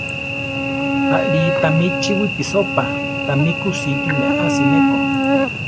Aʼlí tami chi wipisópa; tami kusíti meási neko.